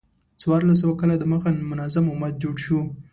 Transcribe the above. څوارلس سوه کاله د مخه منظم امت جوړ شو.